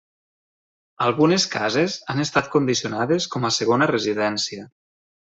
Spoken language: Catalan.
Algunes cases han estat condicionades com a segona residència.